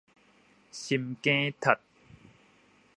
心梗窒